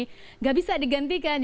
tidak bisa digantikan